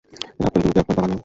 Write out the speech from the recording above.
এই আপেলগুলো কি আপনার বাগানের?